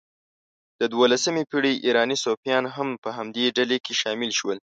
د دوولسمې پېړۍ ایراني صوفیان هم په همدې ډلې کې شامل شول.